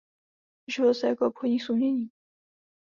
Živil se jako obchodník s uměním.